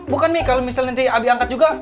bukan mi kalau misalnya nanti abi angkat juga